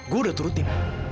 gue udah turutin